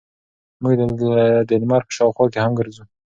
موږ د لمر په شاوخوا کې هم ګرځو.